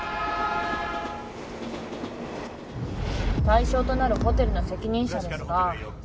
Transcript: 対象となるホテルの責任者ですが。